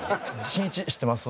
しんいち知ってます？